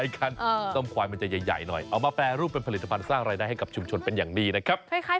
คล้ายฝรั่งเลยคุณหน้าตา